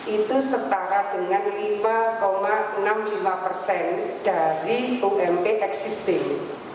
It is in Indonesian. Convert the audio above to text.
itu setara dengan lima enam puluh lima persen dari ump existing